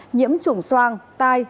nhiễm chủng soàng tai